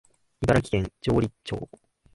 茨城県城里町